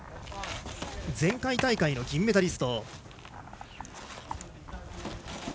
前回大会の銀メダリスト。